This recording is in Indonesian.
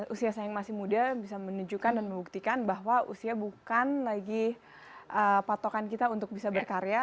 usia saya yang masih muda bisa menunjukkan dan membuktikan bahwa usia bukan lagi patokan kita untuk bisa berkarya